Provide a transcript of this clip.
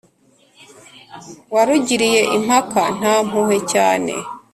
warugiriye impaka ntampuhwe cyane,